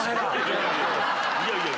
いやいや。